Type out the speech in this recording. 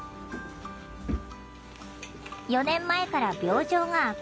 ４年前から病状が悪化。